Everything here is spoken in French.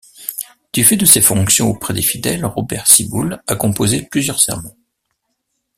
Du fait de ses fonctions auprès des fidèles, Robert Ciboule a composé plusieurs sermons.